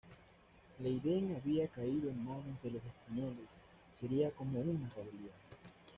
Leiden había caído en manos de los españoles; sería como una rebelión.